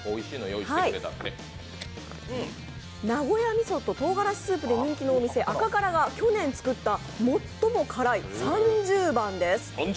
名古屋みそと、とうがらしスープで人気のお店、赤からが去年作った最も辛い３０番です。